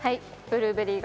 ブルーベリー。